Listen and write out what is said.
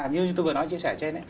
như tôi vừa nói chia sẻ trên